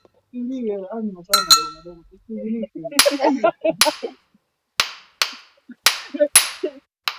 jinsi uridhikaji kutokakana na dawa zakukata tamaa kwa